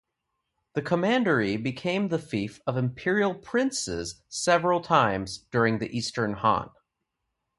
The commandery became the fief of imperial princes several times during the Eastern Han.